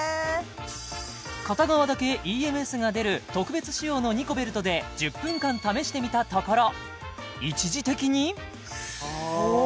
片側だけＥＭＳが出る特別仕様のニコベルトで１０分間試してみたところ一時的にああおお